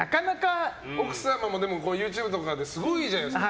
奥様もＹｏｕＴｕｂｅとかですごいじゃないですか。